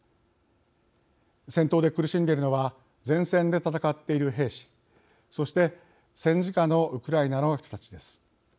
戦闘で苦しんでいるのは前線で戦っている兵士そして戦時下のウクライナの人たちです。